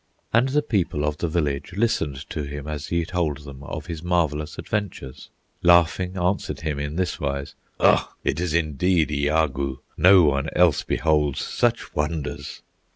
And the people of the village Listened to him as he told them Of his marvellous adventures, Laughing answered him in this wise: "Ugh! it is indeed Iagoo! No one else beholds such wonders!"